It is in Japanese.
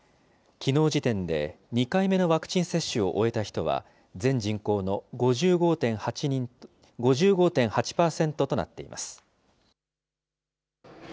きのう時点で２回目のワクチン接種を終えた人は、全人口の５５．８％となっています。